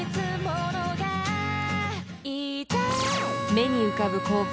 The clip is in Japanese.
［目に浮かぶ光景。